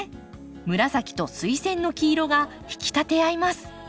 紫とスイセンの黄色が引き立て合います。